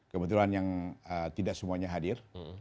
kebetulan yang tidak semuanya hadir